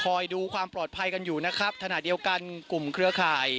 ดูความปลอดภัยกันอยู่นะครับขณะเดียวกันกลุ่มเครือข่าย